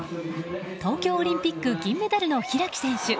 東京オリンピック銀メダルの開選手。